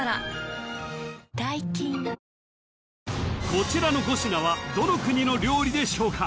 こちらの５品はどの国の料理でしょうか？